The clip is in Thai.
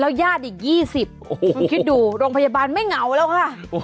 แล้วยาติอีกยี่สิบคุณคิดดูโรงพยาบาลไม่เหงาแล้วค่ะ